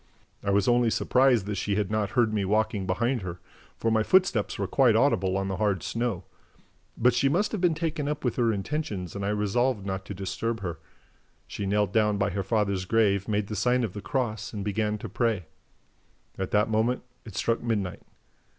I was only surprised that she had not heard me walking behind her, for my footsteps were quite audible on the hard snow. But she must have been taken up with her intentions and I resolved not to disturb her. She knelt down by her father's grave, made the sign of the cross and began to pray. At that moment, it struck midnight.